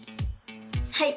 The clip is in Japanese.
はい！